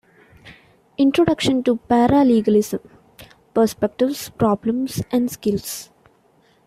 Introduction to paralegalism: persepectives, problems, and skills.